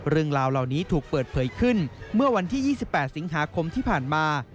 เรื่องราวเหล่านี้ถูกเปิดเผยขึ้นเมื่อวันที่๒๘สิงหาคมที่ผ่านมา